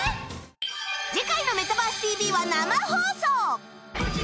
次回の『メタバース ＴＶ！！』は生放送